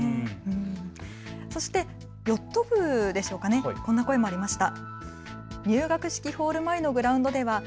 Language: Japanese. そしてヨット部でしょうかこんな声もありました。